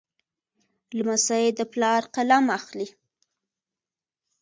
لمسی د پلار قلم اخلي.